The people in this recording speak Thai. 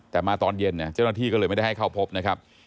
แต่มาตอนเย็นเจ้าหน้าที่ก็เลยไม่ได้ให้เข้าพบนะครับ